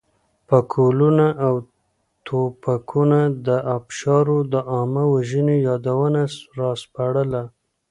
پکولونه او توپکونو د ابشارو د عامه وژنې یادونه راسپړله.